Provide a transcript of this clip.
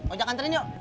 mau jakan tren yuk